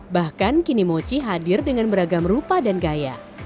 bahkan kini mochi hadir dengan beragam rupa dan gaya